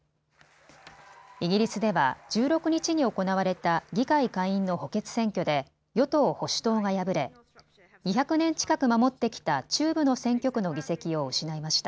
イギリスでは１６日に行われた議会下院の補欠選挙で与党保守党が敗れ、２００年近く守ってきた中部の選挙区の議席を失いました。